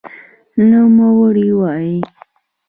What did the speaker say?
نوموړې وايي